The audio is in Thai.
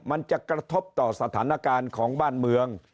มันจะกระทบต่อสถานการณ์ของบ้านเมือง